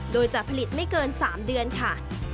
โดยจะผลิตไม่เกิน๓เดือนค่ะ